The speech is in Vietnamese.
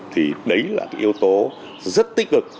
thì đấy là cái yếu tố rất tích cực